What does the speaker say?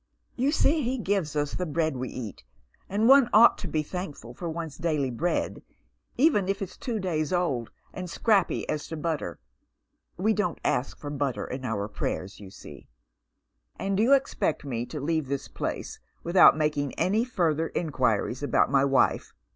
You see he gives us the bread we eat, and one ought to 1)9 thankful for one's daily bread even if it's two days old, and scrapy as to butter. We don't ask for butter in our prayers, you see.'* " And you expect me to leave this place without making any further inquiries about my wife